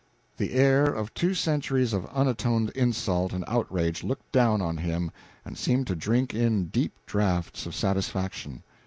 The heir of two centuries of unatoned insult and outrage looked down on him and seemed to drink in deep draughts of satisfaction.